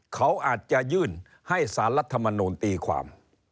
เขาอาจจะยื่นให้สารรัฐมนูลตีความ